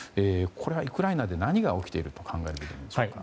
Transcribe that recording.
ウクライナで何が起きていると考えるべきでしょうか。